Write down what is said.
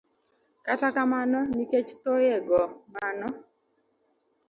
Kata kamano, nikech thoye go, mano